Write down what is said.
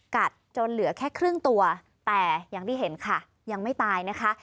จนเหลือแค่ครึ่งตัวแต่อย่างที่เห็นค่ะยังไม่ตายนะคะ